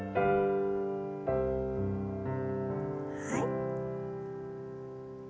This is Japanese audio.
はい。